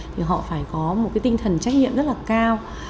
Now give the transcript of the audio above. thì họ phải có một cái tinh thần trách nhiệm rất là cao